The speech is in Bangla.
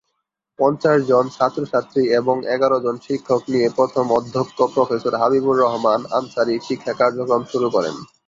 পঞ্চাশ জন ছাত্রছাত্রী এবং এগার জন শিক্ষক নিয়ে প্রথম অধ্যক্ষ প্রফেসর হাবিবুর রহমান আনসারী শিক্ষা কার্যক্রম শুরু করেন।